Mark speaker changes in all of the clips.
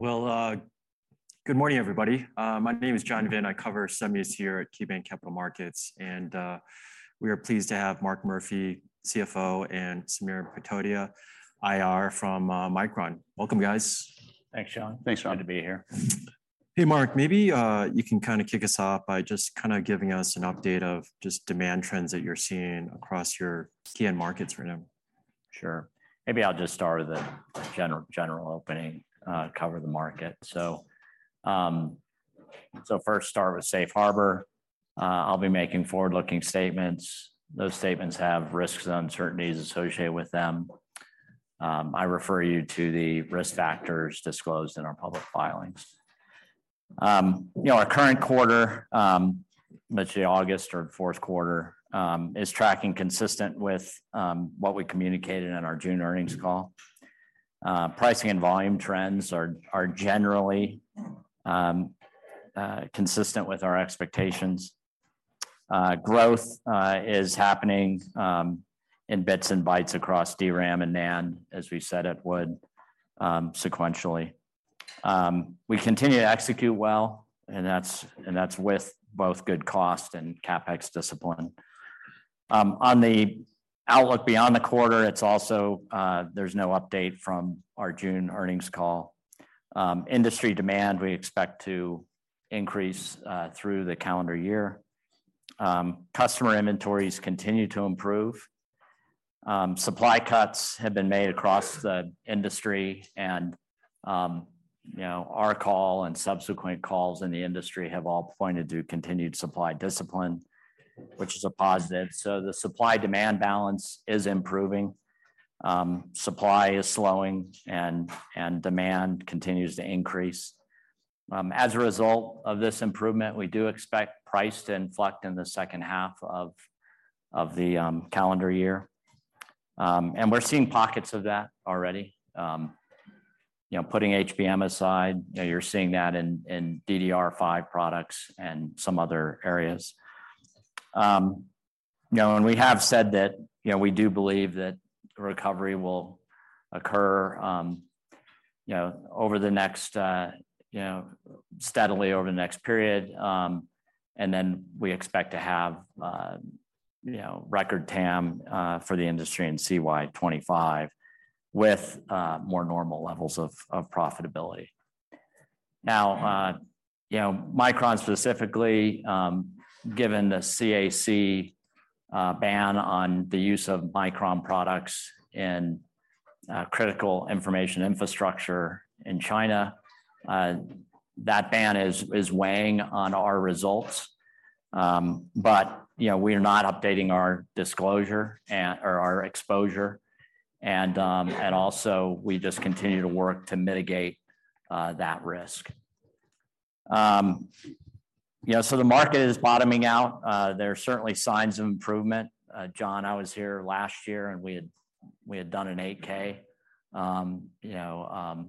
Speaker 1: Well, good morning, everybody. My name is John Vinh. I cover semis here at KeyBanc Capital Markets, and we are pleased to have Mark Murphy, CFO, and Samir Patodia, IR, from Micron. Welcome, guys.
Speaker 2: Thanks, John.
Speaker 3: Thanks, John.
Speaker 2: Good to be here.
Speaker 1: Hey, Mark, maybe, you can kind of kick us off by just kind of giving us an update of just demand trends that you're seeing across your key end markets for now.
Speaker 2: Sure. Maybe I'll just start with a general, general opening, cover the market. First, start with safe harbor. I'll be making forward-looking statements. Those statements have risks and uncertainties associated with them. I refer you to the risk factors disclosed in our public filings. You know, our current quarter, let's say August or Q4, is tracking consistent with what we communicated in our June earnings call. Pricing and volume trends are, are generally, consistent with our expectations. Growth is happening in bits and bytes across DRAM and NAND, as we said it would, sequentially. We continue to execute well, and that's, and that's with both good cost and CapEx discipline. On the outlook beyond the quarter, it's also, there's no update from our June earnings call. Industry demand, we expect to increase through the calendar year. Customer inventories continue to improve. Supply cuts have been made across the industry and, you know, our call and subsequent calls in the industry have all pointed to continued supply discipline, which is a positive. The supply-demand balance is improving. Supply is slowing, and, and demand continues to increase. As a result of this improvement, we do expect price to inflect in the second half of, of the calendar year. We're seeing pockets of that already. You know, putting HBM aside, you know, you're seeing that in, in DDR5 products and some other areas. You know, and we have said that, you know, we do believe that recovery will occur, you know, over the next-- you know, steadily over the next period. Then we expect to have, you know, record TAM for the industry in CY '25, with more normal levels of profitability. Now, you know, Micron specifically, given the CAC ban on the use of Micron products in critical information infrastructure in China, that ban is weighing on our results. You know, we are not updating our disclosure and, or our exposure, and also we just continue to work to mitigate that risk. You know, so the market is bottoming out. There are certainly signs of improvement. John, I was here last year, and we had, we had done an 8-K, you know,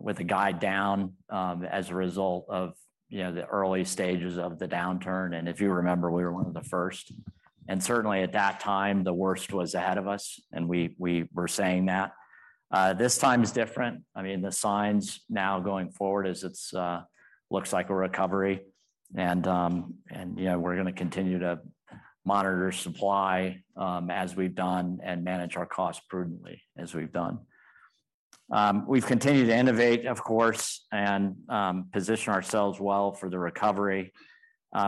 Speaker 2: with a guide down, as a result of, you know, the early stages of the downturn, and if you remember, we were one of the first. Certainly, at that time, the worst was ahead of us, and we, we were saying that. This time is different. I mean, the signs now going forward is it's, looks like a recovery, and, you know, we're gonna continue to monitor supply, as we've done, and manage our costs prudently, as we've done. We've continued to innovate, of course, and position ourselves well for the recovery.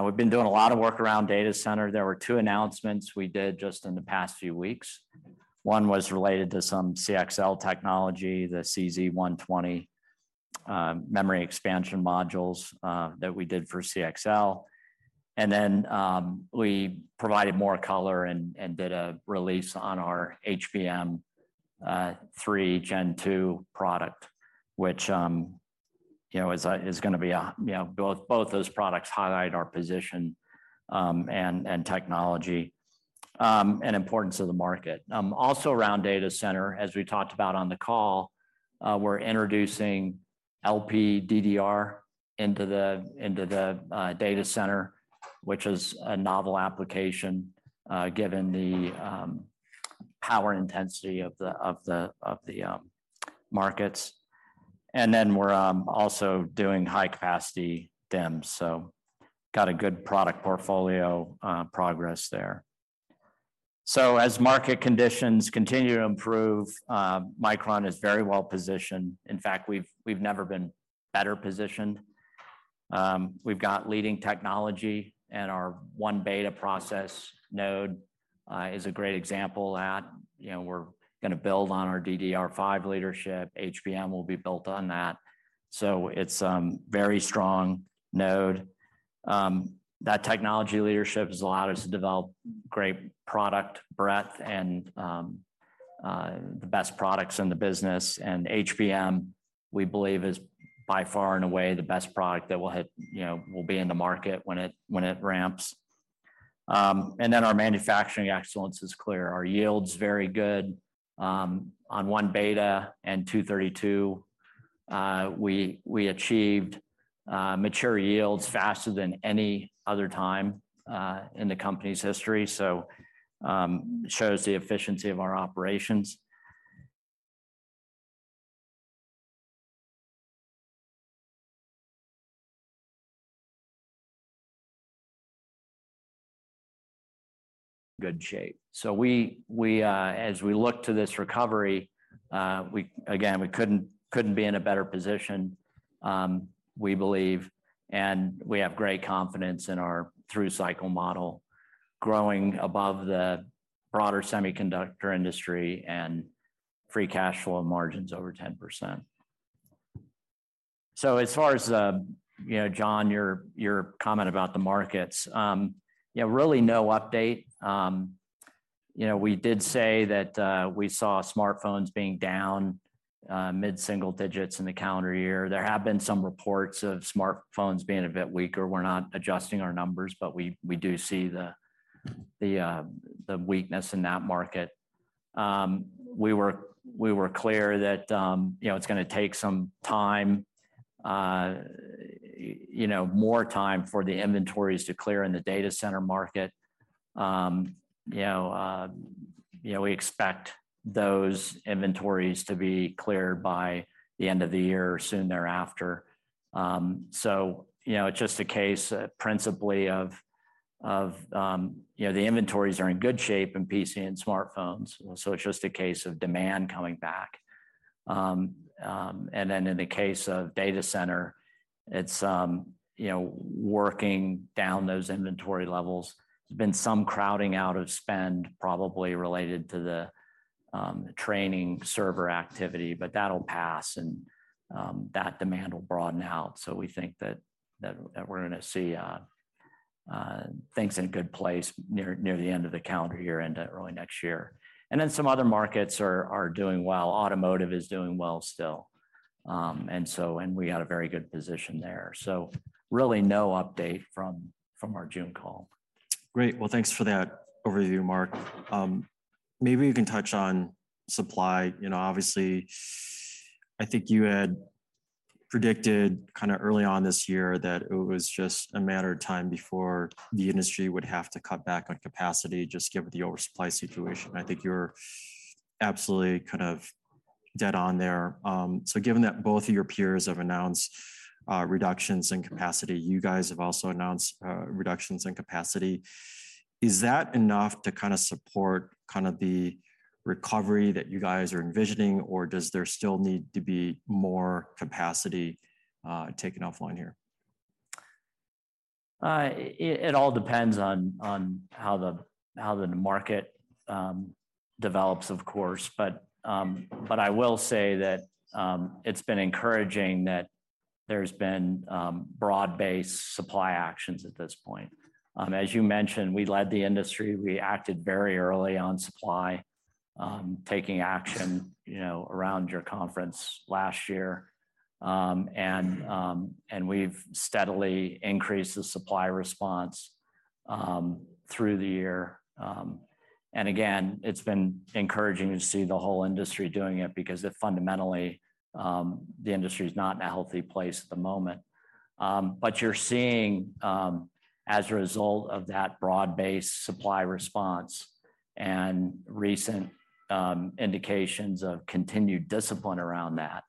Speaker 2: We've been doing a lot of work around data center. There were 2 announcements we did just in the past few weeks. One was related to some CXL technology, the CZ120 memory expansion modules that we did for CXL. We provided more color and did a release on our HBM3 Gen2 product, which, you know, is gonna be... You know, both those products highlight our position and technology and importance to the market. Also around data center, as we talked about on the call, we're introducing LPDDR into the, into the data center, which is a novel application given the power intensity of the, of the, of the markets. We're also doing high-capacity DIMMs, so got a good product portfolio progress there. As market conditions continue to improve, Micron is very well positioned. In fact, we've, we've never been better positioned. We've got leading technology, and our 1 beta process node is a great example at, you know, we're gonna build on our DDR5 leadership. HBM will be built on that. It's very strong node. That technology leadership has allowed us to develop great product breadth and the best products in the business. HBM, we believe, is by far and away the best product that will hit, you know, will be in the market when it, when it ramps. Then our manufacturing excellence is clear. Our yield's very good. On 1 beta and 232, we achieved mature yields faster than any other time in the company's history. It shows the efficiency of our operations. Good shape. We, we, as we look to this recovery, again, we couldn't, couldn't be in a better position, we believe, and we have great confidence in our through cycle model, growing above the broader semiconductor industry and free cash flow margins over 10%. As far as, you know, John, your, your comment about the markets, yeah, really no update. You know, we did say that, we saw smartphones being down, mid-single digits in the calendar year. There have been some reports of smartphones being a bit weaker. We're not adjusting our numbers, but we, we do see the, the, the weakness in that market. We were, we were clear that, you know, it's gonna take some time, you know, more time for the inventories to clear in the data center market. You know, you know, we expect those inventories to be cleared by the end of the year or soon thereafter. You know, it's just a case principally of, of, you know, the inventories are in good shape in PC and smartphones, so it's just a case of demand coming back. In the case of data center, it's, you know, working down those inventory levels. There's been some crowding out of spend, probably related to the training server activity, but that'll pass, and that demand will broaden out. We think that, that, that we're gonna see things in a good place near, near the end of the calendar year into early next year. Some other markets are, are doing well. Automotive is doing well still. We had a very good position there. Really no update from, from our June call.
Speaker 1: Great. Well, thanks for that overview, Mark. Maybe you can touch on supply. You know, obviously, I think you had predicted kind of early on this year that it was just a matter of time before the industry would have to cut back on capacity, just given the oversupply situation. I think you're absolutely kind of dead on there. Given that both of your peers have announced reductions in capacity, you guys have also announced reductions in capacity. Is that enough to kind of support kind of the recovery that you guys are envisioning, or does there still need to be more capacity taken offline here?
Speaker 2: It, it all depends on, on how the, how the market develops, of course. But I will say that it's been encouraging that there's been broad-based supply actions at this point. As you mentioned, we led the industry. We acted very early on supply, taking action, you know, around your conference last year. And we've steadily increased the supply response through the year. Again, it's been encouraging to see the whole industry doing it because it fundamentally, the industry is not in a healthy place at the moment. You're seeing, as a result of that broad-based supply response and recent indications of continued discipline around that,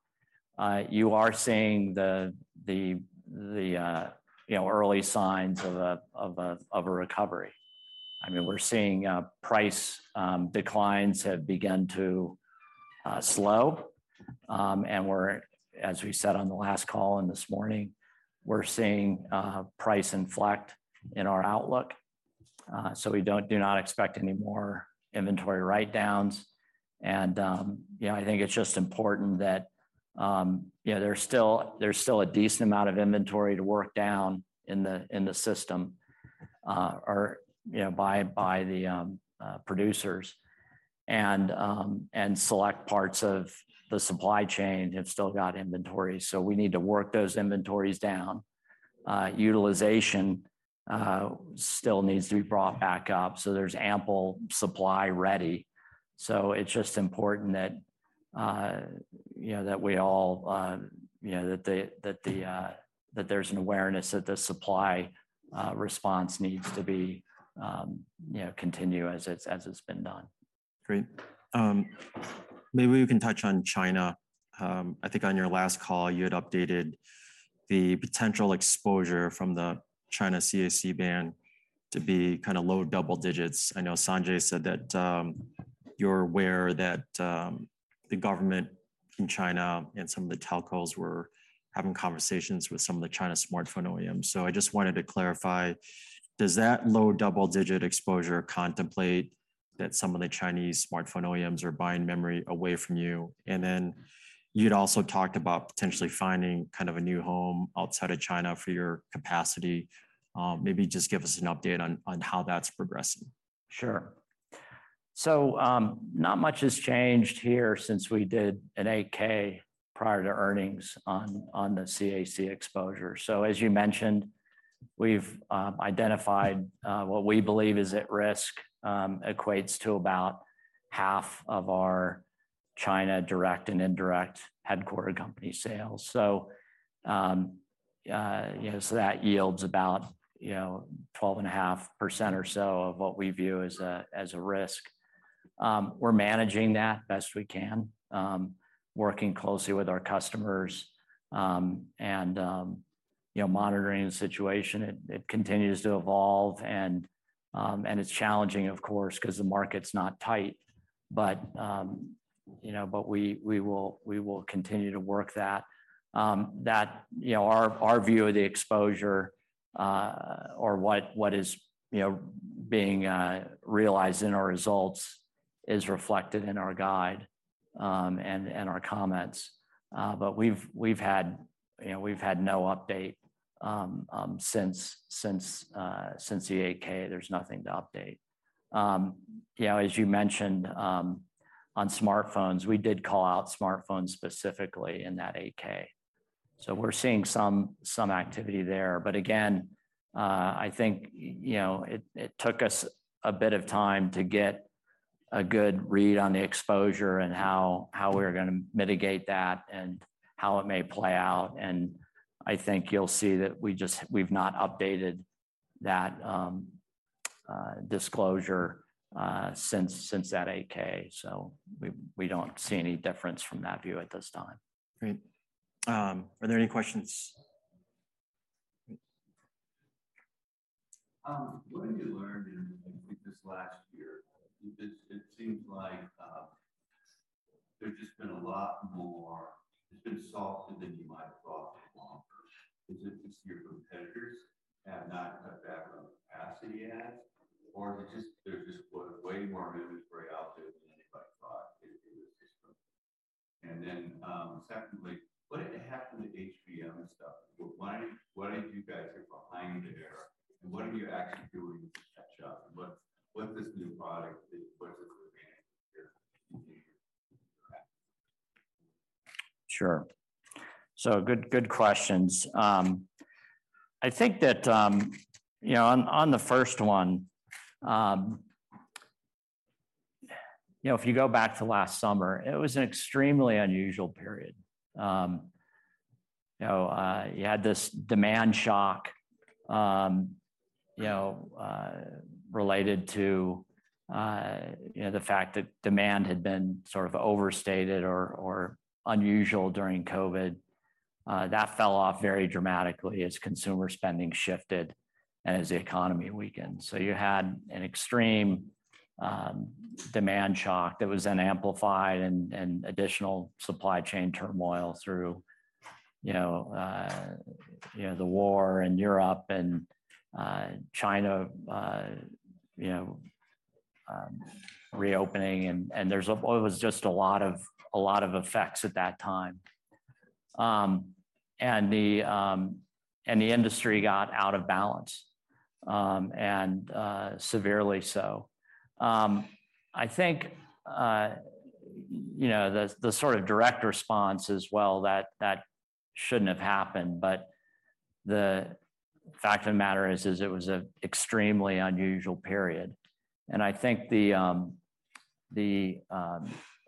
Speaker 2: you are seeing the, the, the, you know, early signs of a, of a, of a recovery. I mean, we're seeing price declines have begun to slow, and we're, as we said on the last call and this morning, we're seeing price inflect in our outlook. We don't, do not expect any more inventory write-downs. You know, I think it's just important that, you know, there's still, there's still a decent amount of inventory to work down in the, in the system, or, you know, by, by the, producers. Select parts of the supply chain have still got inventory, so we need to work those inventories down. Utilization still needs to be brought back up, so there's ample supply ready. It's just important that, you know, that we all, you know, that there's an awareness that the supply, response needs to be, you know, continue as it's, as it's been done.
Speaker 1: Great. Maybe we can touch on China. I think on your last call, you had updated the potential exposure from the China CAC ban to be kind of low double digits. I know Sanjay said that, you're aware that, the government in China and some of the telcos were having conversations with some of the China smartphone OEMs. I just wanted to clarify, does that low double-digit exposure contemplate that some of the Chinese smartphone OEMs are buying memory away from you? You'd also talked about potentially finding kind of a new home outside of China for your capacity. Maybe just give us an update on, on how that's progressing?
Speaker 2: Sure. Not much has changed here since we did an 8-K prior to earnings on, on the CAC exposure. As you mentioned, we've identified what we believe is at risk, equates to about half of our China direct and indirect headquarter company sales. You know, so that yields about, you know, 12.5% or so of what we view as a risk. We're managing that best we can, working closely with our customers, and, you know, monitoring the situation. It, it continues to evolve, and it's challenging, of course, 'cause the market's not tight. You know, but we, we will, we will continue to work that. That, you know, our, our view of the exposure, or what, what is, you know, being realized in our results, is reflected in our guide, and our comments. We've, we've had, you know, we've had no update since, since, since the 8-K. There's nothing to update. You know, as you mentioned, on smartphones, we did call out smartphones specifically in that 8-K, so we're seeing some activity there. Again, I think, you know, it took us a bit of time to get a good read on the exposure and how, how we're gonna mitigate that and how it may play out. I think you'll see that we just- we've not updated that disclosure since, since that 8-K. We don't see any difference from that view at this time.
Speaker 4: Great. Are there any questions? What have you learned in, I think, this last year? It seems like there's just been a lot more. It's been softer than you might have thought it would be. Is it just your competitors have not cut back on capacity yet, or is it just there's just way more inventory out there than anybody thought in the system? Secondly, what had happened to HBM and stuff? Why aren't you guys are behind there, and what are you actually doing to catch up? What this new product, what is the advantage here?
Speaker 2: Sure. Good, good questions. I think that, you know, on, on the first one, you know, if you go back to last summer, it was an extremely unusual period. You know, you had this demand shock, you know, related to, you know, the fact that demand had been sort of overstated or, or unusual during COVID. That fell off very dramatically as consumer spending shifted and as the economy weakened. You had an extreme demand shock that was then amplified and additional supply chain turmoil through, you know, the war in Europe and China, you know, reopening and it was just a lot of, a lot of effects at that time. The industry got out of balance and severely so. I think, you know, the, the sort of direct response as well, that, that shouldn't have happened, but the fact of the matter is, is it was an extremely unusual period. I think the, the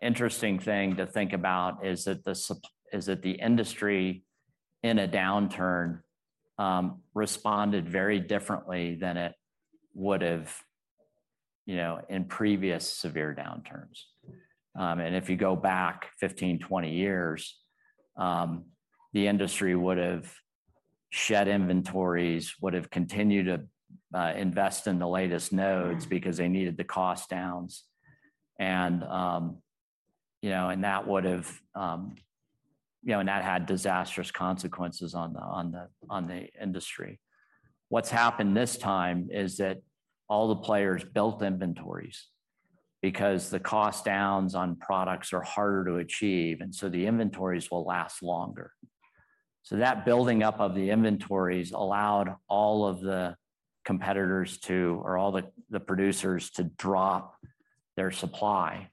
Speaker 2: interesting thing to think about is that the is that the industry, in a downturn, responded very differently than it would've, you know, in previous severe downturns. If you go back 15, 20 years, the industry would have shed inventories, would have continued to invest in the latest nodes because they needed the cost downs, and, you know, and that would have, you know, and that had disastrous consequences on the, on the, on the industry. What's happened this time is that all the players built inventories because the cost downs on products are harder to achieve, the inventories will last longer. Building up of the inventories allowed all of the competitors to, or all the, the producers to drop their supply,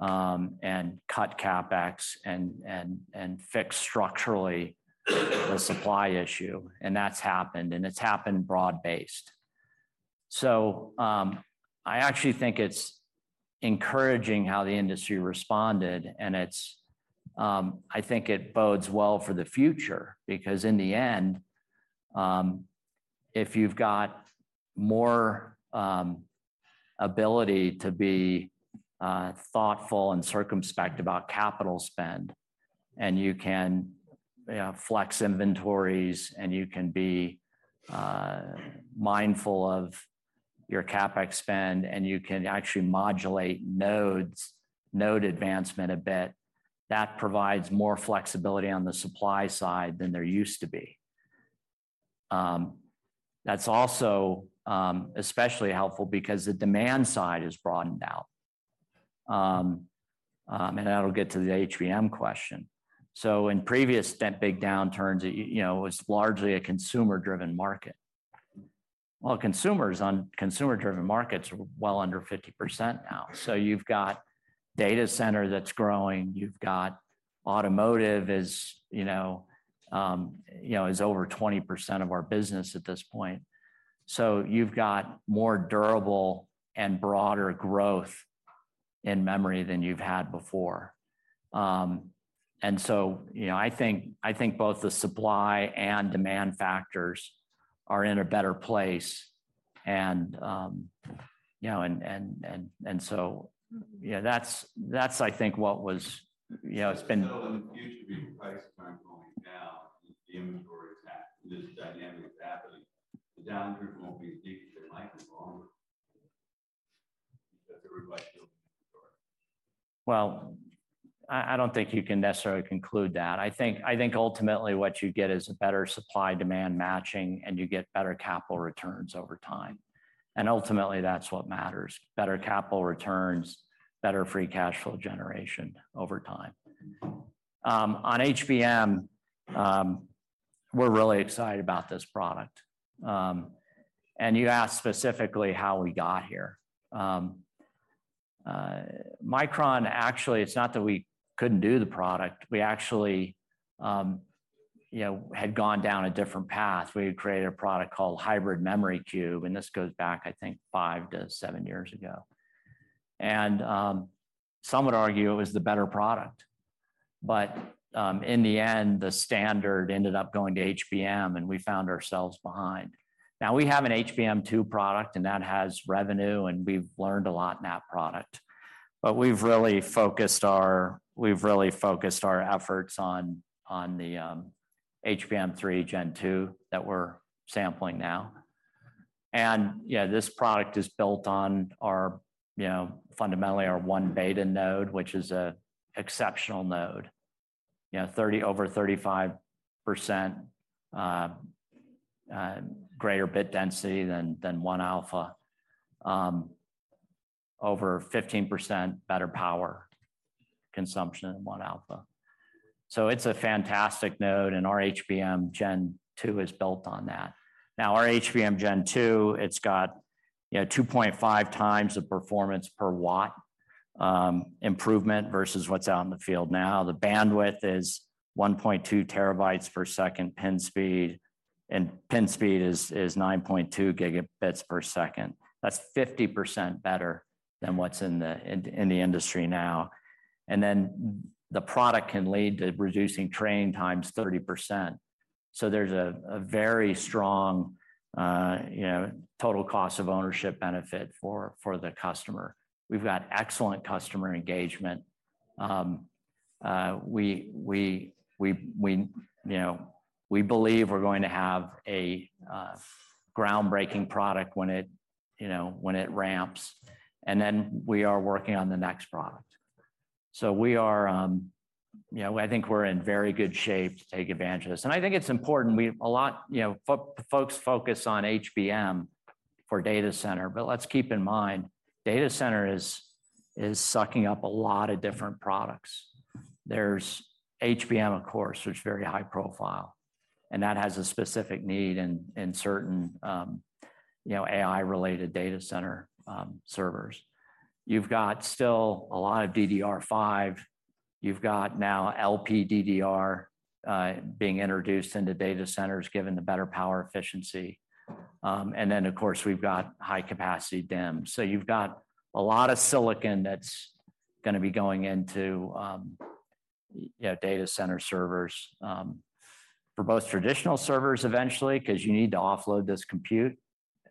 Speaker 2: and cut CapEx and, and, and fix structurally the supply issue. That's happened, and it's happened broad-based. I actually think it's encouraging how the industry responded, and it's, I think it bodes well for the future, because in the end, if you've got more ability to be thoughtful and circumspect about capital spend, and you can, you know, flex inventories, and you can be mindful of your CapEx spend, and you can actually modulate nodes, node advancement a bit, that provides more flexibility on the supply side than there used to be. That's also especially helpful because the demand side is broadened out. And that'll get to the HBM question. In previous spent big downturns, it, you know, it was largely a consumer-driven market. Well, consumers on consumer-driven markets are well under 50% now. You've got data center that's growing, you've got automotive is, you know, you know, is over 20% of our business at this point. You've got more durable and broader growth in memory than you've had before. You know, and, and, and, and so, yeah, that's, that's I think what was-- you know, it's been-
Speaker 4: In the future, prices are going down, the inventory is at this dynamic happening, the downturn won't be as deep as it might be longer because everybody's building inventory.
Speaker 2: Well, I, I don't think you can necessarily conclude that. I think, I think ultimately what you get is a better supply-demand matching, and you get better capital returns over time. Ultimately, that's what matters: better capital returns, better free cash flow generation over time. On HBM, we're really excited about this product. You asked specifically how we got here. Micron, actually, it's not that we couldn't do the product. We actually, you know, had gone down a different path. We had created a product called Hybrid Memory Cube, and this goes back, I think, five to seven years ago. Some would argue it was the better product, but in the end, the standard ended up going to HBM, and we found ourselves behind. Now, we have an HBM2 product, and that has revenue, and we've learned a lot in that product. We've really focused our efforts on, on the HBM3 Gen2 that we're sampling now. Yeah, this product is built on our, you know, fundamentally our 1 beta node, which is a exceptional node. You know, over 35% greater bit density than, than 1 alpha. Over 15% better power consumption than 1 alpha. It's a fantastic node, and our HBM Gen 2 is built on that. Now, our HBM Gen 2, it's got, you know, 2.5 times the performance per watt improvement versus what's out in the field now. The bandwidth is 1.2 TB/s pin speed, and pin speed is 9.2 Gbps. That's 50% better than what's in the, in, in the industry now. Then the product can lead to reducing train times 30%. There's a, a very strong, you know, total cost of ownership benefit for, for the customer. We've got excellent customer engagement. We, you know, we believe we're going to have a groundbreaking product when it, you know, when it ramps, then we are working on the next product. We are, you know, I think we're in very good shape to take advantage of this. I think it's important. We've a lot, you know, folks focus on HBM for data center, but let's keep in mind, data center is, is sucking up a lot of different products. There's HBM, of course, which is very high profile, and that has a specific need in, in certain, you know, AI-related data center servers. You've got still a lot of DDR5. You've got now LPDDR being introduced into data centers, given the better power efficiency. Of course, we've got high-capacity DIMM. You've got a lot of silicon that's gonna be going into, you know, data center servers for both traditional servers eventually, 'cause you need to offload this compute.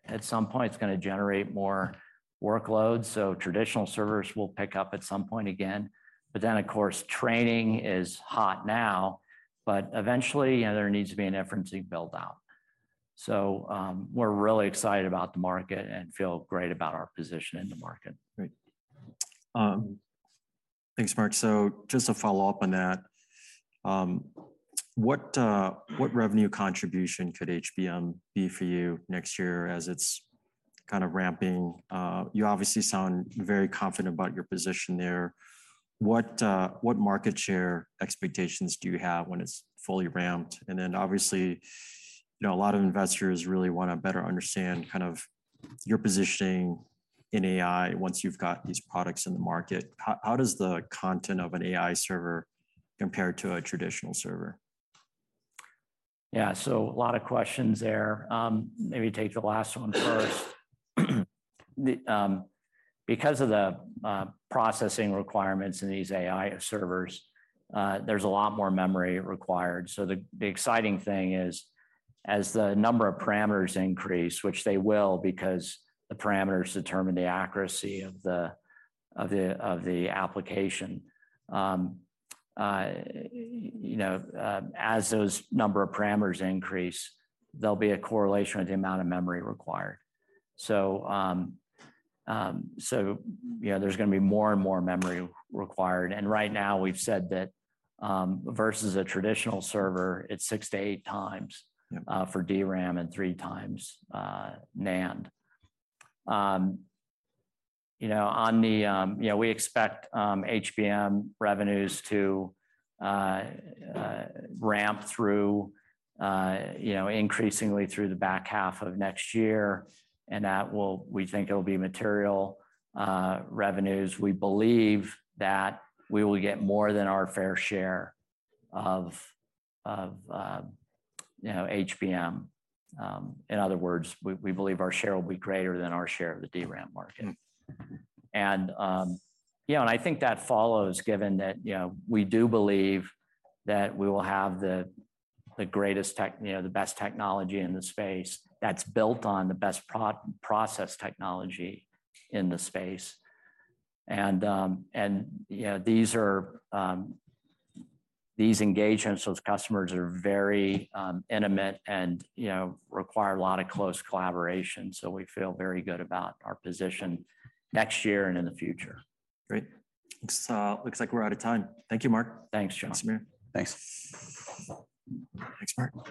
Speaker 2: At some point, it's gonna generate more workloads, traditional servers will pick up at some point again. Of course, training is hot now, but eventually, you know, there needs to be an inferencing build-out. We're really excited about the market and feel great about our position in the market.
Speaker 1: Great. Thanks, Mark. Just to follow up on that, what revenue contribution could HBM be for you next year as it's kind of ramping? You obviously sound very confident about your position there. What market share expectations do you have when it's fully ramped? Obviously, you know, a lot of investors really want to better understand kind of your positioning in AI once you've got these products in the market. How, how does the content of an AI server compare to a traditional server?
Speaker 2: Yeah, a lot of questions there. Maybe take the last one first. The because of the processing requirements in these AI servers, there's a lot more memory required. The exciting thing is, as the number of parameters increase, which they will, because the parameters determine the accuracy of the application, you know, as those number of parameters increase, there'll be a correlation with the amount of memory required. You know, there's gonna be more and more memory required, and right now we've said that, versus a traditional server, it's six to eight times-
Speaker 1: Yep.
Speaker 2: For DRAM and 3 times NAND. You know, we expect HBM revenues to ramp through, you know, increasingly through the back half of next year, and we think it'll be material revenues. We believe that we will get more than our fair share of, of, you know, HBM. In other words, we, we believe our share will be greater than our share of the DRAM market.
Speaker 1: Mm-hmm.
Speaker 2: Yeah, and I think that follows, given that, you know, we do believe that we will have the, the greatest you know, the best technology in the space, that's built on the best process technology in the space. You know, these are, these engagements with customers are very intimate and, you know, require a lot of close collaboration, so we feel very good about our position next year and in the future.
Speaker 1: Great. Looks, looks like we're out of time. Thank you, Mark.
Speaker 2: Thanks, John.
Speaker 1: Thanks, Mark. Thanks. Thanks, Mark.